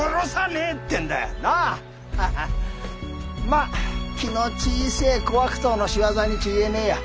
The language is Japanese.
まあ気の小せえ小悪党の仕業に違えねえや。